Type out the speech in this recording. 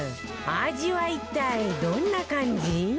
味は一体どんな感じ？